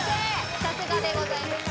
さすがでございます